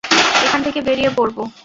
এখান থেকে বেরিয়ে পড়বো।